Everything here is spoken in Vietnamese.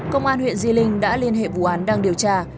công an huyện di linh đã liên hệ vụ án đang điều tra